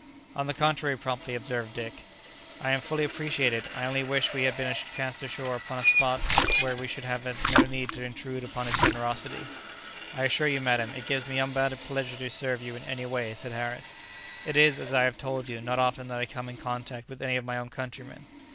"On the contrary," promptly observed Dick; "I fully appreciate it; I only wish we had been cast ashore upon a spot where we should have had no need to intrude upon his generosity." "I assure you, madam, it gives me unbounded pleasure to serve you in any way," said Harris; "it is, as I have told you, not often that I come in contact with any of my own countrymen."